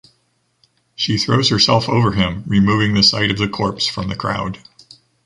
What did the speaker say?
She throws herself over him, removing the sight of the corpse from the crowd.